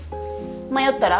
迷ったら。